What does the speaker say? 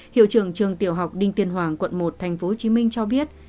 hiệu trưởng trường tiểu học đinh tiên hoàng quận một tp hcm cho biết